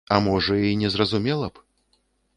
А можа, і не зразумела б?